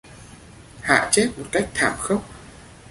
Hạ Chết một cách thảm khốc